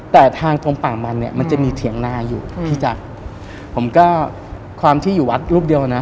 แต่ทางตรงป่ามันเนี่ยมันจะมีเถียงนาอยู่พี่แจ๊คผมก็ความที่อยู่วัดรูปเดียวนะ